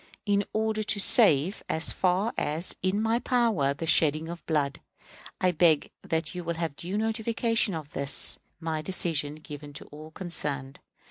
In order to save as far as in my power the shedding of blood, I beg that you will have due notification of this my decision given to all concerned.